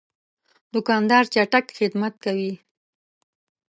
دوکاندار چټک خدمت کوي.